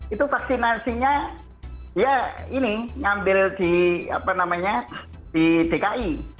itu vaksinasinya ya ini ngambil di apa namanya di dki